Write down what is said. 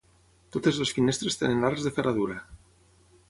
Totes les finestres tenen arcs de ferradura.